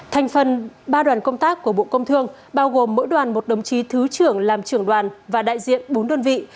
thành phần ba đoàn công tác của bộ công thương bao gồm mỗi đoàn một đồng chí thứ trưởng làm trưởng đoàn và đại diện bốn đơn vị